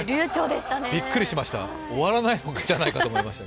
びっくりしました、終わらないんじゃないかと。